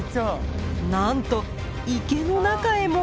なんと池の中へも。